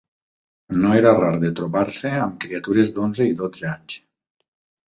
No era rar de trobar-se amb criatures d'onze i dotze anys